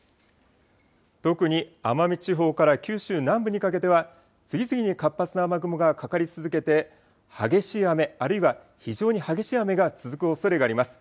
特に奄美地方から九州南部にかけては、次々に活発な雨雲がかかり続けて、激しい雨、あるいは非常に激しい雨が続くおそれがあります。